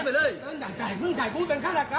เติ้ลอย่างใจมึงใจกูเป็นข้าราคา